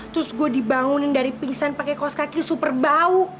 terus gue dibangunin dari pingsan pakai kaos kaki super bau